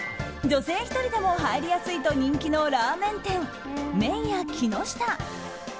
女性１人でも入りやすいと人気のラーメン店麺屋木ノ下。